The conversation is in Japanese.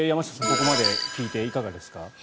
ここまで聞いていかがですか？